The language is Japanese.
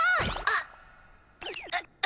あっ。